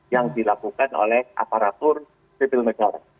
yang dilakukan oleh aparatur sipil negara